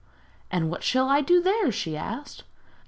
'And what shall I do there?' she asked.